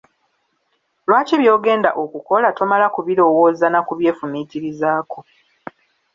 Lwaki by'ogenda okukola, tomala kubirowooza na kubyefumiitirizaako?